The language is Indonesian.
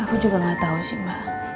aku juga gak tahu sih mba